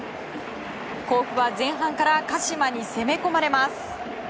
甲府は前半から鹿島に攻め込まれます。